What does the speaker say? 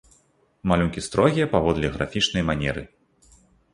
Малюнкі строгія паводле графічнай манеры.